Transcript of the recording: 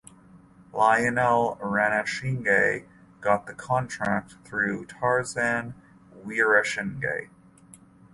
Lionel Ranasinghe got the contract through Tarzan Weerasinghe.